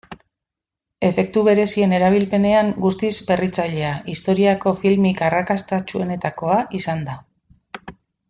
Efektu berezien erabilpenean guztiz berritzailea, historiako filmik arrakastatsuenetakoa izan da.